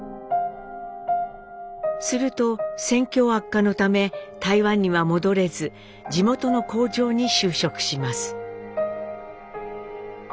すると戦況悪化のため台湾には戻れず地元の工場に就職します。